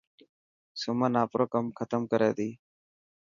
سمن آپرو ڪم ختم ڪري تي.